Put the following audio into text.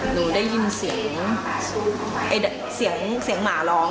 หนูได้ยินเสียงเสียงหมาร้อง